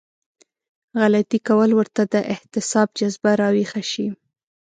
غلطي کول ورته د احتساب جذبه راويښه شي.